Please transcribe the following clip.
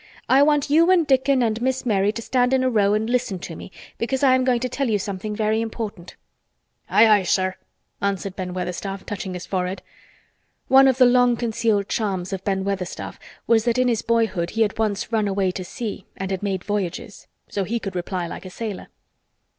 "I want you and Dickon and Miss Mary to stand in a row and listen to me because I am going to tell you something very important." "Aye, aye, sir!" answered Ben Weatherstaff, touching his forehead. (One of the long concealed charms of Ben Weatherstaff was that in his boyhood he had once run away to sea and had made voyages. So he could reply like a sailor.)